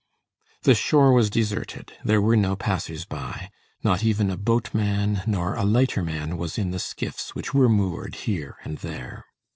The shore was deserted; there were no passers by; not even a boatman nor a lighter man was in the skiffs which were moored here and there.